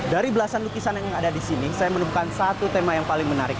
dari belasan lukisan yang ada di sini saya menemukan satu tema yang paling menarik